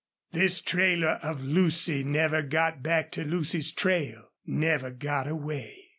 This trailer of Lucy never got back to Lucy's trail never got away.